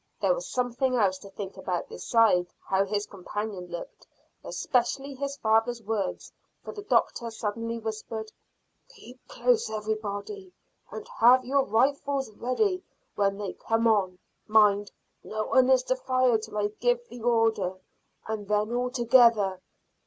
There was something else to think about beside how his companion looked, especially his father's words, for the doctor suddenly whispered "Keep close everybody, and have your rifles ready when they come on. Mind, no one is to fire till I give the order, and then all together.